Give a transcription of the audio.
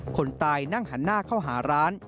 คนตายนั่งหันหน้าเข้าหาร้าน